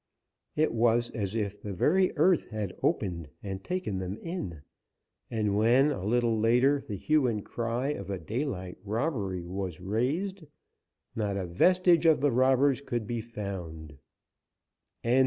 It was as if the very earth had opened and taken them in. And when, a little later, the hue and cry of a daylight robbery was raised, not a vestige of the robbers could be found.